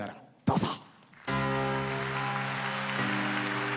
どうぞ。